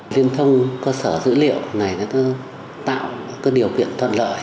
liên thông cơ sở dữ liệu này nó tạo điều kiện thuận lợi